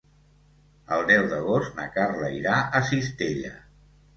El deu d'agost na Carla irà a Cistella.